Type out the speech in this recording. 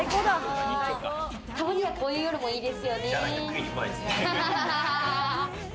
たまにはこういう夜もいいですよね。